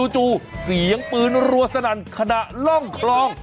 จู่เสียงปืนรัวสนั่นขณะล่องคลอง